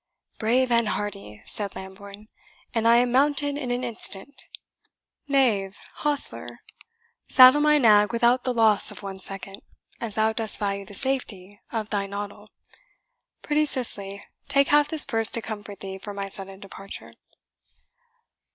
"Brave and hearty!" said Lambourne, "and I am mounted in an instant. Knave, hostler, saddle my nag without the loss of one second, as thou dost value the safety of thy noddle. Pretty Cicely, take half this purse to comfort thee for my sudden departure."